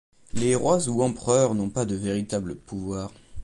Les rois ou empereurs n’ont pas de véritable pouvoir.